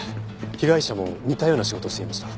被害者も似たような仕事をしていました。